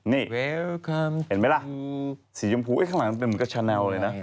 นี่เห็นไหมล่ะสีชมพูข้างหลังมันเป็นเหมือนกับชาแนลเลยนะ